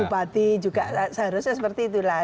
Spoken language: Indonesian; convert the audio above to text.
bupati juga seharusnya seperti itulah